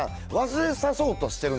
忘れさせようとしてる？